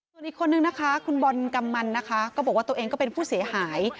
ตัวอีกคนนึงคุณบอลกำลังก็บอกว่าตัวเองก็เป็นผู้เสียหาย